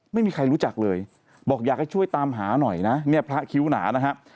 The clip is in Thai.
ไม่มีใครรู้จักเลยบอกอยากให้ช่วยตามหาหน่อยนะเนี่ยพระคิ้วหนานะฮะ